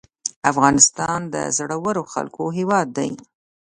افغانستان د زړورو خلکو هیواد دی